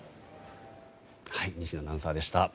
仁科アナウンサーでした。